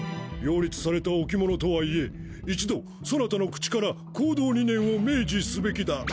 擁立された置物とは言え一度其方の口から行動理念を明示すべきだ」。